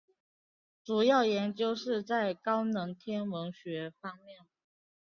主要研究是在高能天文学方面。